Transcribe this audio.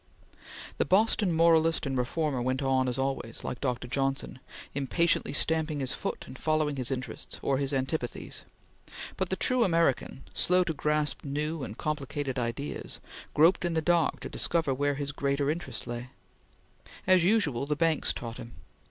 The Boston moralist and reformer went on, as always, like Dr. Johnson, impatiently stamping his foot and following his interests, or his antipathies; but the true American, slow to grasp new and complicated ideas, groped in the dark to discover where his greater interest lay. As usual, the banks taught him.